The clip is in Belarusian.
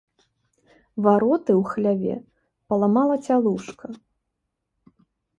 Вароты ў хляве паламала цялушка.